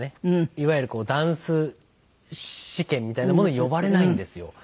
いわゆるダンス試験みたいなものに呼ばれないんですよ。